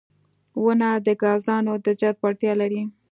• ونه د ګازونو د جذب وړتیا لري.